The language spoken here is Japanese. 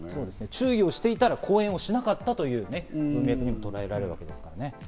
注意をしていたら講演をしなかったというふうにとらえられるわけですからね。